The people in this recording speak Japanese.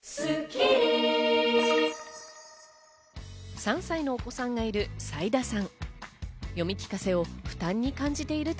３歳のお子さんがいる齋田さん。